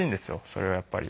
それはやっぱり。